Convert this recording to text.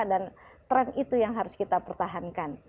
tren itu yang harus kita pertahankan